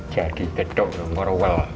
jadi geduk nomor satu